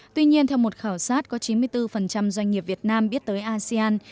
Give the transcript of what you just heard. tuy nhiên theo một khảo sát có chín mươi bốn doanh nghiệp việt nam biết tới asean